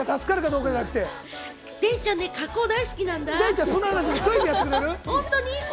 デイちゃん、加工大好きなんだ！